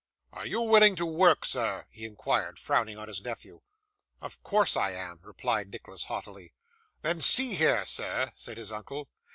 'Are you willing to work, sir?' he inquired, frowning on his nephew. 'Of course I am,' replied Nicholas haughtily. 'Then see here, sir,' said his uncle.